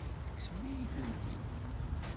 Tekksem-iyi-tent-id.